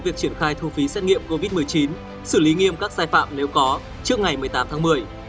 việc triển khai thu phí xét nghiệm covid một mươi chín xử lý nghiêm các sai phạm nếu có trước ngày một mươi tám tháng một mươi